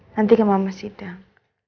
nanti ke mama sidang